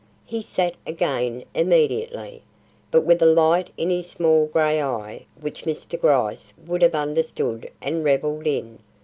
He sat again immediately, but with a light in his small grey eye which Mr. Gryce would have understood and revelled in.